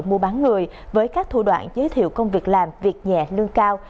mua bán người với các thủ đoạn giới thiệu công việc làm việc nhẹ lương cao